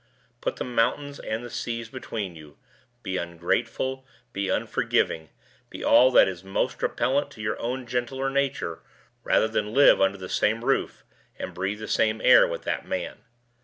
Put the mountains and the seas between you; be ungrateful, be unforgiving; be all that is most repellent to your own gentler nature, rather than live under the same roof and breathe the same air with that man.